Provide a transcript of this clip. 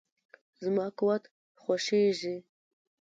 زما قورت خوشیزی.